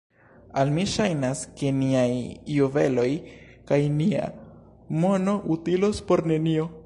Al mi ŝajnas, ke niaj juveloj kaj nia mono utilos por nenio.